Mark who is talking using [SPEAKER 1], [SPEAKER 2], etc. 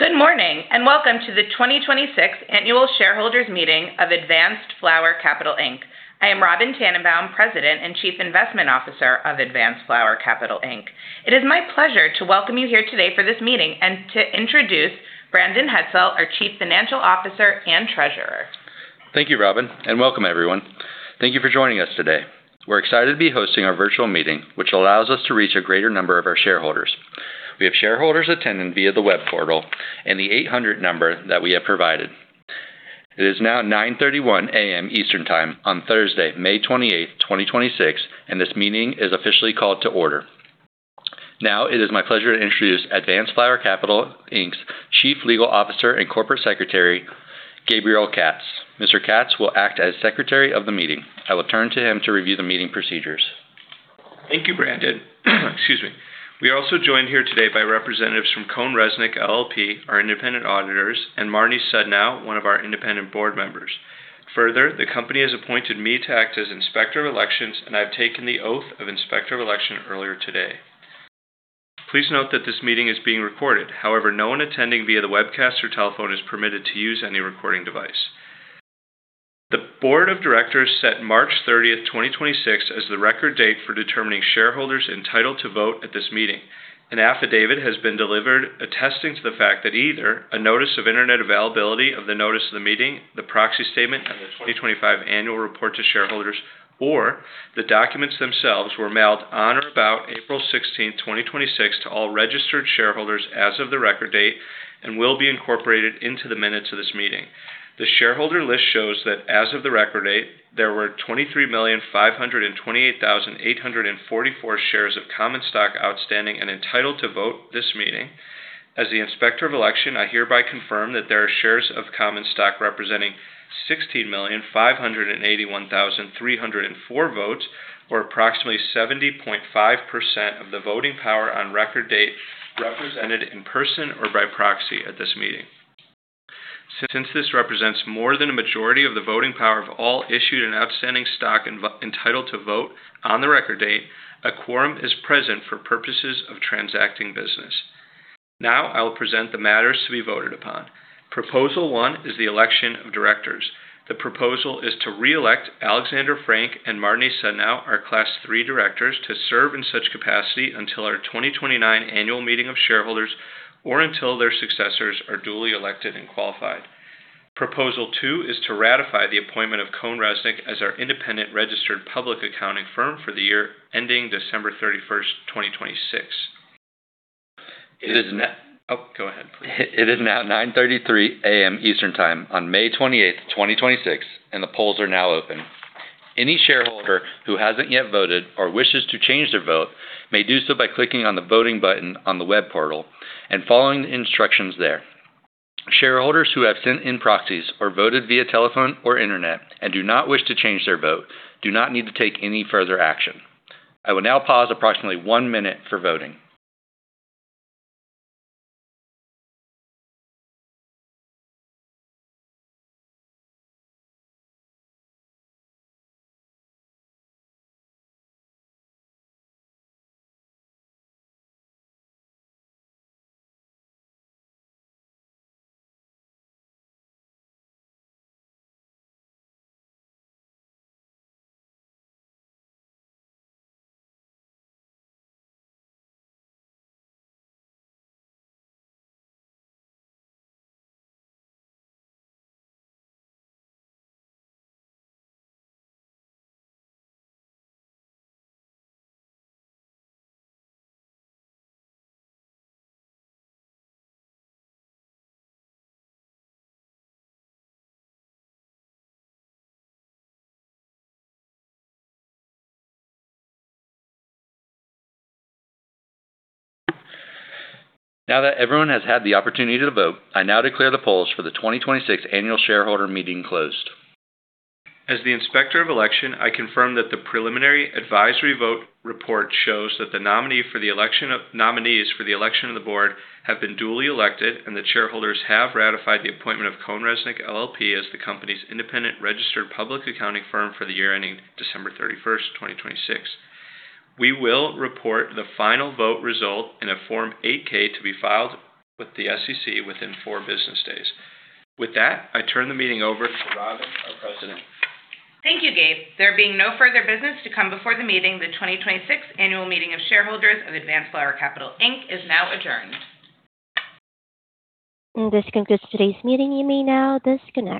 [SPEAKER 1] Good morning, and welcome to the 2026 Annual Shareholders Meeting of Advanced Flower Capital, Inc. I am Robyn Tannenbaum, President and Chief Investment Officer of Advanced Flower Capital, Inc. It is my pleasure to welcome you here today for this meeting and to introduce Brandon Hetzel, our Chief Financial Officer and Treasurer.
[SPEAKER 2] Thank you, Robyn, and welcome everyone. Thank you for joining us today. We're excited to be hosting our virtual meeting, which allows us to reach a greater number of our shareholders. We have shareholders attending via the web portal and the 800 number that we have provided. It is now 9:31 A.M. Eastern Time on Thursday, May 28th, 2026, and this meeting is officially called to order. Now it is my pleasure to introduce Advanced Flower Capital Inc.'s Chief Legal Officer and Corporate Secretary, Gabriel Katz. Mr. Katz will act as Secretary of the meeting. I will turn to him to review the meeting procedures.
[SPEAKER 3] Thank you, Brandon. Excuse me. We are also joined here today by representatives from CohnReznick LLP, our independent auditors, and Marnie Sudnow, one of our independent board members. Further, the company has appointed me to act as Inspector of Elections, and I've taken the oath of Inspector of Election earlier today. Please note that this meeting is being recorded. However, no one attending via the webcast or telephone is permitted to use any recording device. The Board of Directors set March 30th, 2026, as the record date for determining shareholders entitled to vote at this meeting. An affidavit has been delivered attesting to the fact that either a notice of internet availability of the notice of the meeting, the proxy statement, and the 2025 annual report to shareholders, or the documents themselves were mailed on or about April 16th, 2026, to all registered shareholders as of the record date and will be incorporated into the minutes of this meeting. The shareholder list shows that as of the record date, there were 23,528,844 shares of common stock outstanding and entitled to vote this meeting. As the Inspector of Election, I hereby confirm that there are shares of common stock representing 16,581,304 votes, or approximately 70.5% of the voting power on record date represented in person or by proxy at this meeting. Since this represents more than a majority of the voting power of all issued and outstanding stock entitled to vote on the record date, a quorum is present for purposes of transacting business. Now I will present the matters to be voted upon. Proposal 1 is the election of directors. The proposal is to reelect Alexander Frank and Marnie Sudnow, our Class III directors, to serve in such capacity until our 2029 annual meeting of shareholders or until their successors are duly elected and qualified. Proposal 2 is to ratify the appointment of CohnReznick as our independent registered public accounting firm for the year ending December 31st, 2026. Oh, go ahead please.
[SPEAKER 2] It is now 9:33 A.M. Eastern Time on May 28th, 2026, and the polls are now open. Any shareholder who hasn't yet voted or wishes to change their vote may do so by clicking on the voting button on the web portal and following the instructions there. Shareholders who have sent in proxies or voted via telephone or internet and do not wish to change their vote do not need to take any further action. I will now pause approximately one minute for voting. Now that everyone has had the opportunity to vote, I now declare the polls for the 2026 Annual Shareholder Meeting closed.
[SPEAKER 3] As the Inspector of Election, I confirm that the preliminary advisory vote report shows that the nominees for the election of the board have been duly elected and the shareholders have ratified the appointment of CohnReznick LLP as the company's independent registered public accounting firm for the year ending December 31st, 2026. We will report the final vote result in a Form 8-K to be filed with the SEC within four business days. With that, I turn the meeting over to Robyn, our President.
[SPEAKER 1] Thank you, Gabe. There being no further business to come before the meeting, the 2026 Annual Meeting of Shareholders of Advanced Flower Capital, Inc. is now adjourned.
[SPEAKER 4] This concludes today's meeting. You may now disconnect.